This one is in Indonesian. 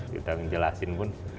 tidak menjelaskan pun